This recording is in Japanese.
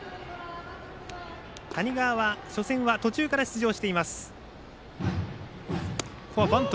谷川は初戦は途中から出場しています。